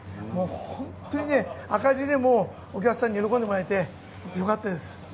本当に赤字でもお客さんに喜んでもらえてよかったです。